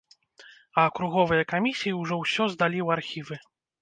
А акруговыя камісіі ўжо ўсё здалі ў архівы.